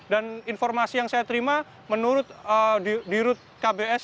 dan informasi yang saya terima menurut dirut kbs